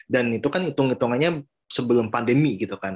dan itu kan hitung hitungannya sebelum pandemi gitu kan